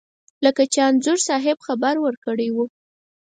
لکه چې انځور صاحب خبر ورکړی و.